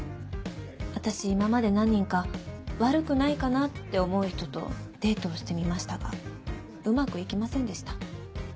私今まで何人か悪くないかなって思う人とデートをしてみましたがうまくいきませんでした。